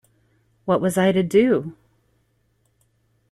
What was I to do?